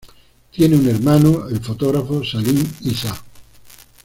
Tiene un hermano, el fotógrafo Salim Issa.